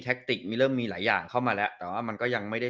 ติกมีเริ่มมีหลายอย่างเข้ามาแล้วแต่ว่ามันก็ยังไม่ได้